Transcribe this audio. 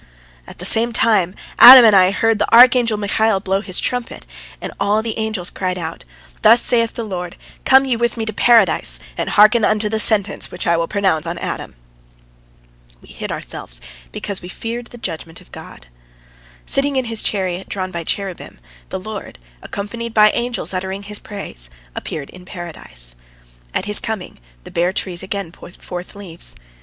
At the same time Adam and I heard the archangel Michael blow his trumpet, and all the angels cried out: "Thus saith the Lord, Come ye with Me to Paradise and hearken unto the sentence which I will pronounce upon Adam." We hid ourselves because we feared the judgment of God. Sitting in his chariot drawn by cherubim, the Lord, accompanied by angels uttering His praise, appeared in Paradise. At His coming the bare trees again put forth leaves.